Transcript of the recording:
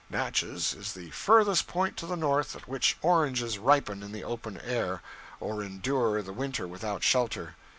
Natchez is the furthest point to the north at which oranges ripen in the open air, or endure the winter without shelter.